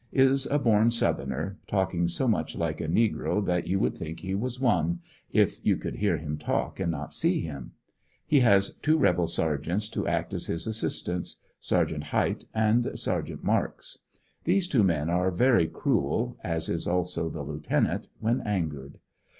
Is a born Southerner, talking so much like a negro that you would thmk he was one, if you could hear him talk and not see him. He has two rebel ser geants to act as his assistants, Sergt. Hight and Sergt. Marks. These two men are very cruel, as is also the 'Lieut, when angered.